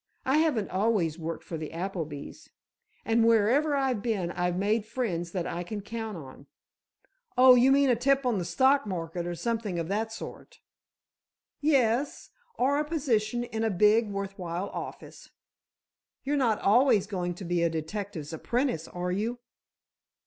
I haven't always worked for the Applebys, and wherever I've been I've made friends that I can count on." "Oh, you mean a tip on the stock market or something of that sort?" "Yes, or a position in a big, worth while office. You're not always going to be a detective's apprentice, are you?"